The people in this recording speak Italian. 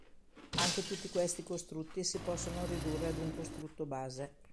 Anche tutti questi costrutti si possono ridurre ad un costrutto base.